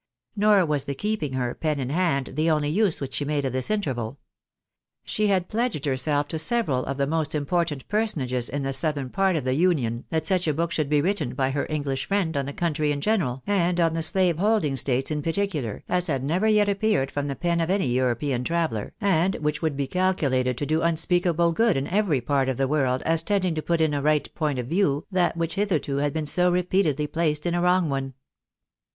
Nor was the keeping her, pen in hand, the only use which she made of this interval. She had pledged herself to several of the most important personages in the southern part of the Union that such a book should be written by her English friend on the country in general, and on the slave holding states in particular, as had never yet appeared from the pen of any European traveller, and which would be calculated to do unspeakable good in every part of the world, as tending to put in a right point of view that which had hitherto been so repeatedly placed in a wrong one.